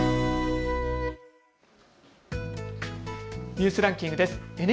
ニュースランキングです。